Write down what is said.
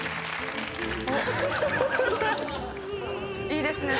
いいですね。